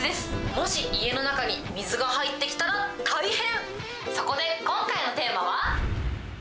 もし家の中に水が入ってきたら大変。